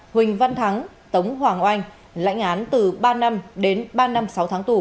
huỳnh văn thắng tống hoàng oanh lãnh án từ ba năm đến ba năm sáu tháng tù